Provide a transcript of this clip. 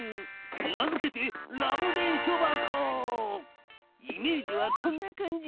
名付けてイメージはこんな感じ。